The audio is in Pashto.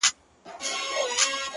چي توري څڼي پرې راوځړوې ـ